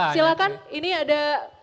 silahkan ini ada